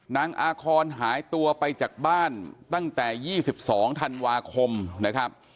นางอาคอนหายตัวไปจากบ้านตั้งแต่๒๒ธันวาคมนะครับ